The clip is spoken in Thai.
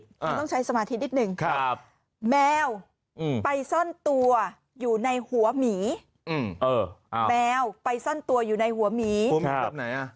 คุณต้องใช้สมาธินิดนึงครับแมวไปซ่อนตัวอยู่ในหัวหมีแมวไปซ่อนตัวอยู่ในหัวหมีแบบไหนอ่ะ